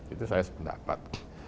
itu saya sependapat